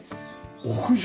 屋上？